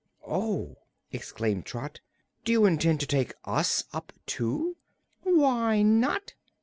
"Oh!" exclaimed Trot; "do you intend to take us up, too?" "Why not?"